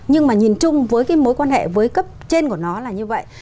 nhưng mà nhìn chung với cái mối quan hệ với cấp trên của nó là như vậy